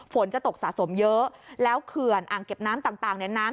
ฝนจะตกสะสมเยอะแล้วเขื่อนอ่างเก็บน้ำต่างเนี่ยน้ำ